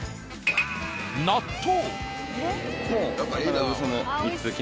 納豆。